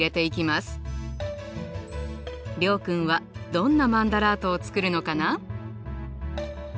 諒君はどんなマンダラートを作るのかな？